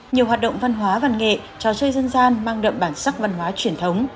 nhiều hoạt động văn hóa văn nghệ trò chơi dân gian mang đậm bản sắc văn hóa truyền thống